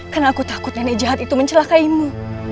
karena aku takut nenek jahat itu mencelakaimu